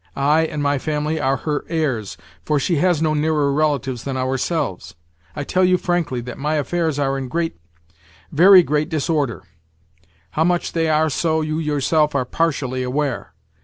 I and my family are her heirs, for she has no nearer relatives than ourselves. I tell you frankly that my affairs are in great—very great disorder; how much they are so you yourself are partially aware.